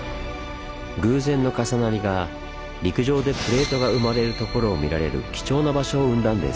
偶然の重なりが陸上でプレートが生まれるところを見られる貴重な場所を生んだんです。